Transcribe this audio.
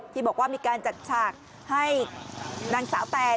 ที่บอกว่ามีการจัดฉากให้นางสาวแตน